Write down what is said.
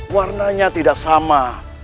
warnanya tidak sama